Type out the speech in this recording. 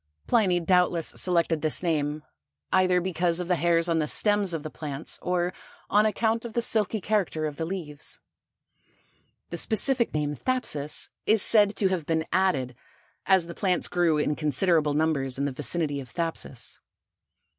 Pliny doubtless selected this name, either because of the hairs on the stems of the plants or on account of the silky character of the leaves. The specific name, thapsus, is said to have been added, as the plants grew in considerable numbers in the vicinity of Thapsus.